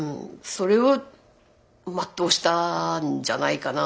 それを全うしたんじゃないかなっていう。